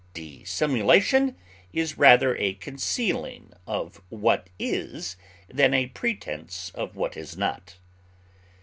Dissimulation is rather a concealing of what is than a pretense of what is not.